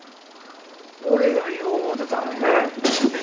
俺が言お思てたのに。